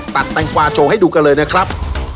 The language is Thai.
แตงกวาโชว์ให้ดูกันเลยนะครับ